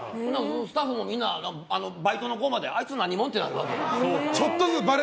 スタッフもみんなバイトの子まであいつ何者？ってなるわけ。